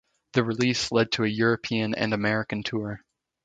The release led to a European and American tour.